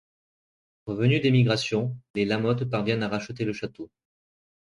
Revenus d'émigration, les la Motte parviennent à racheter le château.